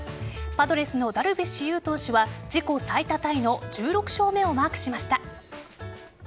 パドレスのダルビッシュ有投手は自己最多タイの１６勝目をマークしました。